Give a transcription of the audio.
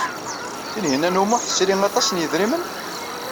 Tinhinan u Muḥ tesri aṭas n yidrimen?